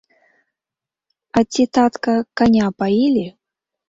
А ці, татка, каня паілі?